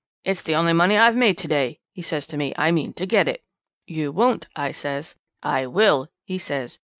"'It's the only money I've made to day,' he says to me. 'I mean to get it.' "'You won't,' I says. "'I will,' he says.